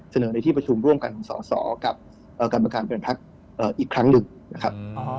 เสนอในที่ประชุมร่วมกันของส่อกับการประการประเภทภักดิ์อีกครั้งหนึ่งนะครับ